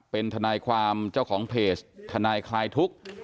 เป็นทนายความเจ้าของเพจทนายคลายทุกข์